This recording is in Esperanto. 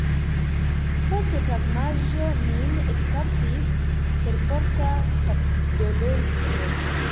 Post tagmanĝo, min ekkaptis perforta kapdoloro.